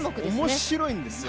面白いんですよ